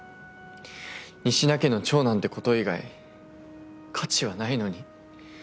仁科家の長男ってこと以外価値はないのに。